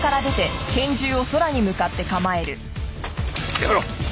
やめろ！